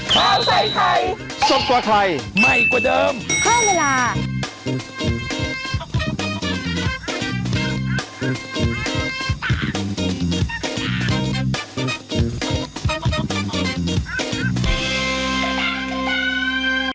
โปรดติดตามตอนต่อไป